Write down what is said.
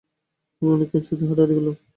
আমি অনেকক্ষণ ছাদে হাঁটাহাঁটি করলাম।